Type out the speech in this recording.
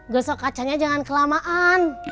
gosok kacanya jangan kelamaan